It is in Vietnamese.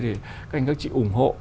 các anh các chị ủng hộ